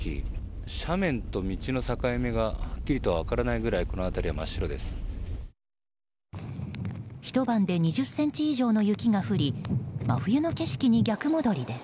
斜面と道の境目がはっきりと分からないくらいこの辺りは真っ白です。